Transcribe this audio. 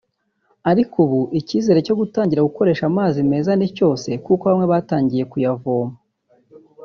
ariko ubu icyizere cyo gutangira gukoresha amazi meza ni cyose kuko bamwe batangiye no kuyavomaho